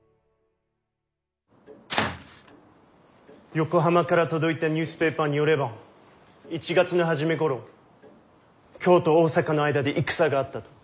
横浜から届いたニュースペーパーによれば１月の初めごろ京と大坂の間で戦があったと。